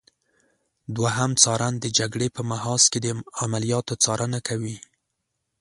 دوهم څارن د جګړې په محاذ کې د عملیاتو څارنه کوي.